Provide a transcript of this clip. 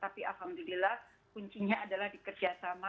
tapi alhamdulillah kuncinya adalah dikerjasama